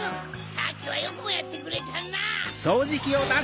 さっきはよくもやってくれたな！